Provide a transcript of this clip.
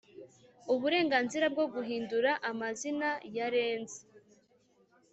Uburenganzira bwo guhindura amazina ya renzi